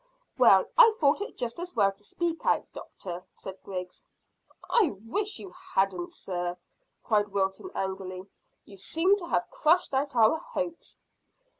"Well, I thought it just as well to speak out, doctor," said Griggs. "I wish you hadn't, sir," cried Wilton angrily. "You seem to have crushed out our hopes."